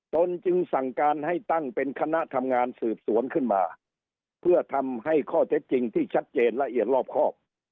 ตนจึงสั่งการให้ตั้งเป็นคณะทำงานสืบสวนขึ้นมาเพื่อทำให้ข้อเท็จจริงที่ชัดเจนละเอียดรอบครอบ